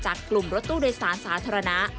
กลุ่มรถตู้โดยสารสาธารณะ